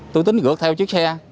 tôi tính gượt theo chiếc xe